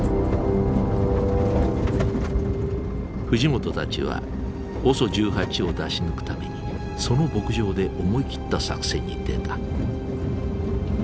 藤本たちはＯＳＯ１８を出し抜くためにその牧場で思い切った作戦に出た。